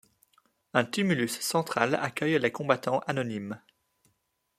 Un tumulus central accueille les combattants anonymes.